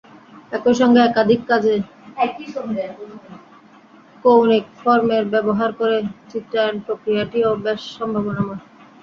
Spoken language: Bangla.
একই সঙ্গে একাধিক কাজে কৌণিক ফর্মের ব্যবহার করে চিত্রায়ণ-প্রক্রিয়াটিও বেশ সম্ভাবনাময়।